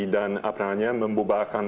dan apatahanya membubarkan